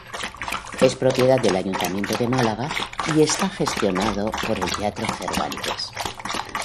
Es propiedad del Ayuntamiento de Málaga y está gestionado por el teatro Cervantes.